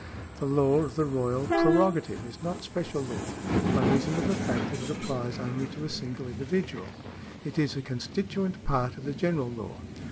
The law of the royal prerogative is not special law, by reason of the fact that it applies only to a single individual ; it is a constituent part of the general law.